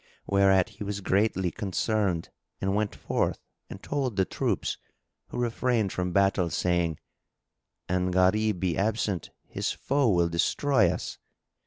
Whereat he was greatly concerned and went forth and told the troops, who refrained from battle, saying, "An Gharib be absent, his foe will destroy us."